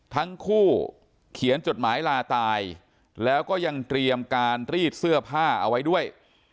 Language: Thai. ทั้งคู่เขียนจดหมายลาตายแล้วก็ยังเตรียมการรีดเสื้อผ้าเอาไว้ด้วย